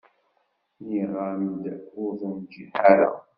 Nniɣ-am-d ur tenǧiḥ ara.